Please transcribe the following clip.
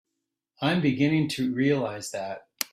I'm beginning to realize that.